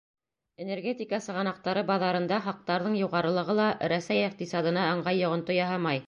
Энергетика сығанаҡтары баҙарында хаҡтарҙың юғарылығы ла Рәсәй иҡтисадына ыңғай йоғонто яһамай.